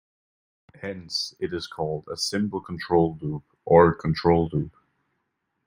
Hence it is called a simple control loop or control loop.